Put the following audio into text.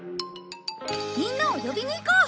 みんなを呼びに行こう！